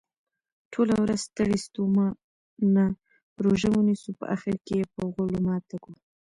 ټوله ورځ ستړي ستوماته روژه ونیسو په اخرکې یې په غولو ماته کړو.